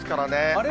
あれ？